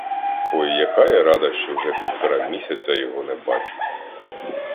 Ой, яка я рада, що вже півтора місяця його не бачу.